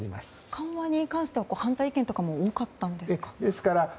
緩和に関しては反対意見とかも多かったんですか。